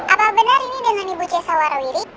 apa benar ini dengan ibu cesa warawiri